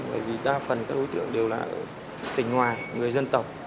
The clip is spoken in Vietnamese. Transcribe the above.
bởi vì đa phần các đối tượng đều là tỉnh hòa người dân tộc